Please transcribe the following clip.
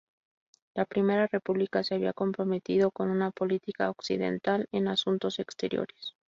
La Primera República se había comprometido con una política occidental en asuntos exteriores.